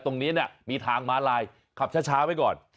ตรงนี้มีทางม้าลายขับช้าไว้ก่อน